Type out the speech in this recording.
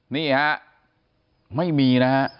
นี่ฮะไม่มีนะฮะ